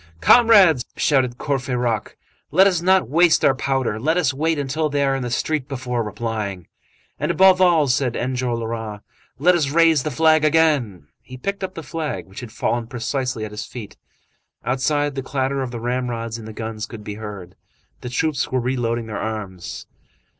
"Comrades!" shouted Courfeyrac, "let us not waste our powder. Let us wait until they are in the street before replying." "And, above all," said Enjolras, "let us raise the flag again." He picked up the flag, which had fallen precisely at his feet. Outside, the clatter of the ramrods in the guns could be heard; the troops were re loading their arms.